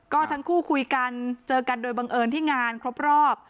ก็ทั้งคู่คุยกันเจอกันโดยบังเอิญที่งานครบรอบ